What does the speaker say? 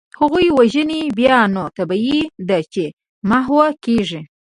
هغوی وژني، بیا نو طبیعي ده چي محوه کیږي.